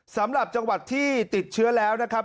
สำหรับจังหวัดที่ติดเชื้อแล้วนะครับ